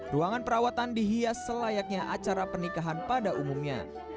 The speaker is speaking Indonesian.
ruangan perawatan dihias selayaknya acara pernikahan pada umumnya